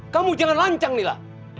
kamu jangan lancang nila